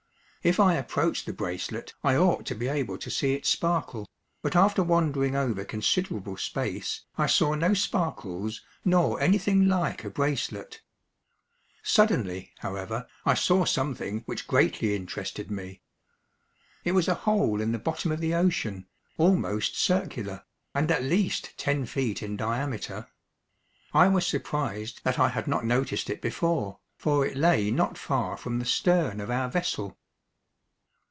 If I approached the bracelet I ought to be able to see it sparkle, but after wandering over considerable space, I saw no sparkles nor anything like a bracelet. Suddenly, however, I saw something which greatly interested me. It was a hole in the bottom of the ocean, almost circular, and at least ten feet in diameter. I was surprised that I had not noticed it before, for it lay not far from the stern of our vessel.